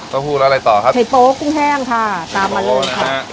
เต้าหู้แล้วอะไรต่อครับไข่โป๊กุ้งแห้งค่ะตามมาเลยค่ะไข่โป๊นะฮะ